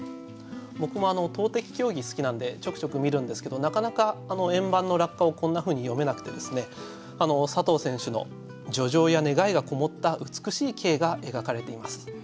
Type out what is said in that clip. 僕も投てき競技好きなんでちょくちょく見るんですけどなかなか円盤の落下をこんなふうに読めなくてですね佐藤選手の叙情や願いがこもった美しい景が描かれています。